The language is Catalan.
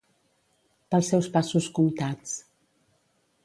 Pels seus passos comptats.